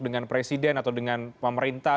dengan presiden atau dengan pemerintah